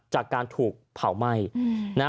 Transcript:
จากการถูกเผาไหม้